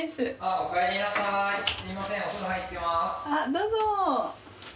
どうぞ。